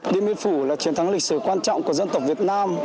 điện biên phủ là chiến thắng lịch sử quan trọng của dân tộc việt nam